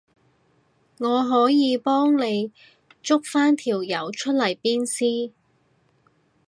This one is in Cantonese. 我可以幫你捉返條友出嚟鞭屍